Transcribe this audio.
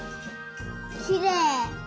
きれい。